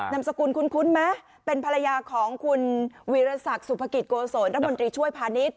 นำสกุลคุ้นมั้ยเป็นภรรยาของคุณวิรสัตว์สุภกิจโกศลและบนตรีช่วยพาณิชย์